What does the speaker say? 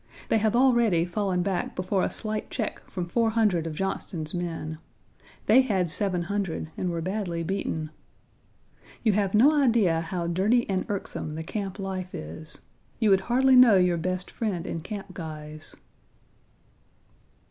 They have already fallen back before a slight check from 400 of Johnston's men. They had 700 and were badly beaten. You have no idea how dirty and irksome the camp life is. You would hardly know your best friend in camp guise."